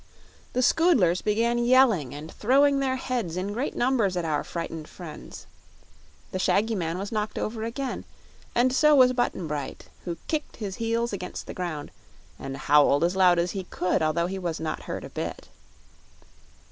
The Scoodlers began yelling and throwing their heads in great numbers at our frightened friends. The shaggy man was knocked over again, and so was Button Bright, who kicked his heels against the ground and howled as loud as he could, although he was not hurt a bit.